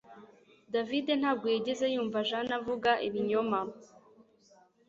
David ntabwo yigeze yumva Jane avuga ibinyoma